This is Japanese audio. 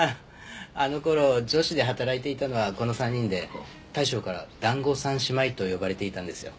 あの頃女子で働いていたのはこの３人で大将から団子三姉妹と呼ばれていたんですよ。